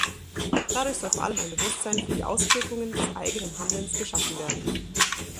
Dadurch soll vor allem ein Bewusstsein für die Auswirkungen des eigenen Handelns geschaffen werden.